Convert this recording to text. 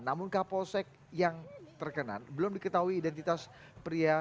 namun kapolsek yang terkenan belum diketahui identitas pria